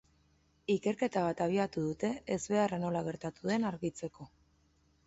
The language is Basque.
Ikerketa bat abiatu dute ezbeharra nola gertatu den argitzeko.